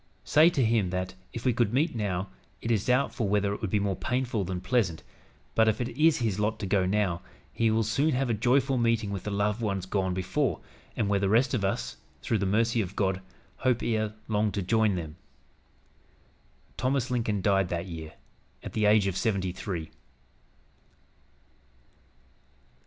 Say to him that, if we could meet now, it is doubtful whether it would be more painful than pleasant, but if it is his lot to go now, he will soon have a joyful meeting with the loved ones gone before, and where the rest of us, through the mercy of God, hope ere long to join them." Thomas Lincoln died that year, at the age of seventy three.